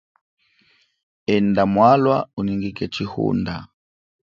Enda mwalwa unyingike chihunda.